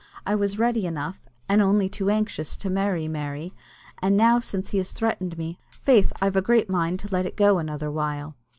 "I was ready enough, and only too anxious, to marry Mary; and now since he threatened me, faith I've a great mind to let it go another while."